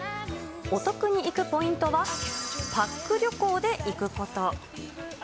お得に行くポイントは、パック旅行で行くこと。